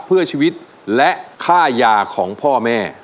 เพื่อชีวิตและค่ายาของพ่อแม่